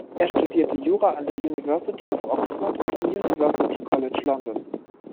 Er studierte Jura an der University of Oxford und am University College London.